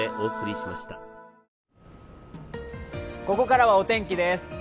ここからはお天気です。